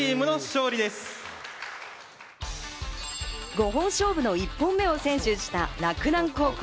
５本勝負の１本目を先取した洛南高校。